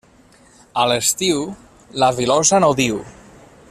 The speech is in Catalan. A l'estiu, la filosa no diu.